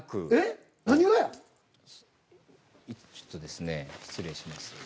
ちょっとですね失礼します。